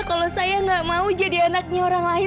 kalau saya nggak mau jadi anaknya orang lain